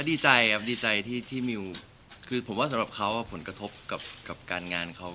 ดีใจครับดีใจที่มิวคือผมว่าสำหรับเขาผลกระทบกับการงานเขา